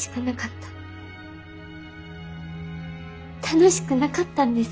楽しくなかったんです。